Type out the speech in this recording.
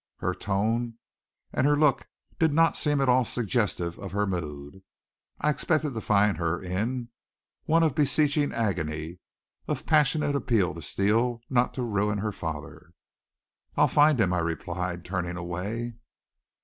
Her tone and her look did not seem at all suggestive of the mood I expected to find her in one of beseeching agony, of passionate appeal to Steele not to ruin her father. "I'll find him," I replied turning away.